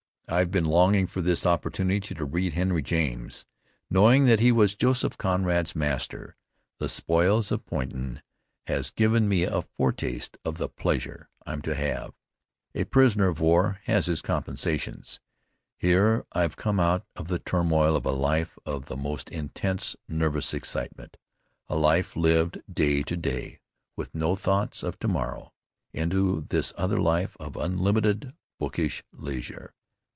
I've been longing for this opportunity to read Henry James, knowing that he was Joseph Conrad's master. "The Spoils of Poynton" has given me a foretaste of the pleasure I'm to have. A prisoner of war has his compensations. Here I've come out of the turmoil of a life of the most intense nervous excitement, a life lived day to day with no thought of to morrow, into this other life of unlimited bookish leisure.